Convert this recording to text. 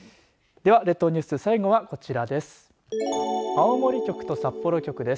では、列島ニュース最後はこちらです。